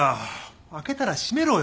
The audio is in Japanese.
開けたら閉めろよ！